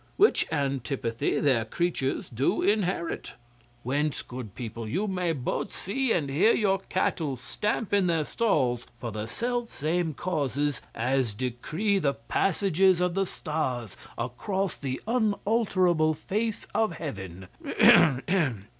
Which antipathy their creatures do inherit. Whence, good people, you may both see and hear your cattle stamp in their stalls for the self same causes as decree the passages of the stars across the unalterable face of Heaven!